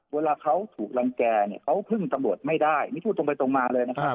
เวลาเขาถูกรังแก่เนี่ยเขาพึ่งตำรวจไม่ได้นี่พูดตรงไปตรงมาเลยนะครับ